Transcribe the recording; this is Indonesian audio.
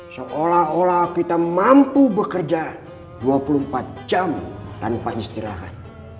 seolah olah kita mampu bekerja dua puluh empat jam tanpa istirahat